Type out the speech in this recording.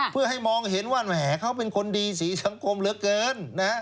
เพื่อให้มองเห็นว่าแหมเขาเป็นคนดีสีสังคมเหลือเกิน